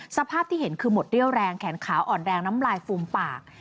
สภาพที่เห็นคือหมดเรี่ยวแรงแขนขาอ่อนแรงน้ำลายฟูมปาก